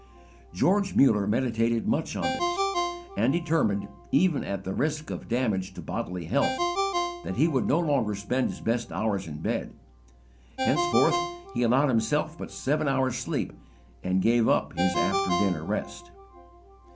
George Muller meditated much on this; and determined, even at the risk of damage to bodily health, that he would no longer spend his best hours in bed. Henceforth he allowed himself but seven hours' sleep and gave up his after dinner rest.